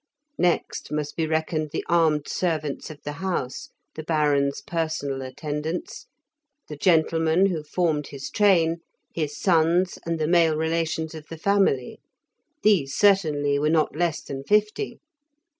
Next must be reckoned the armed servants of the house, the Baron's personal attendants, the gentlemen who formed his train, his sons and the male relations of the family; these certainly were not less than fifty.